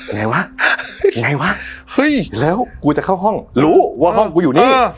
ไงวะไงวะเฮ้ยแล้วกูจะเข้าห้องรู้ว่าห้องกูอยู่นี่